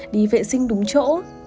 đi vệ sinh đúng chỗ